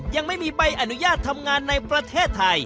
ยังไม่มีใบอนุญาตทำงานในประเทศไทย